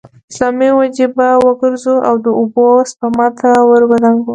اسلامي وجیبه وګرځو او د اوبو سپما ته ور ودانګو.